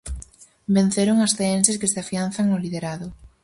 Venceron as ceenses que se afianzan no liderado.